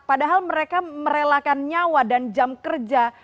padahal mereka merelakan nyawa dan jam kerja